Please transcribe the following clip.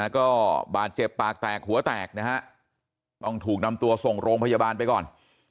ก็บาดเจ็บปากแตกหัวแตกนะฮะต้องถูกนำตัวส่งโรงพยาบาลไปก่อน